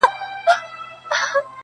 نیم وجود دي په زړو جامو کي پټ دی!.!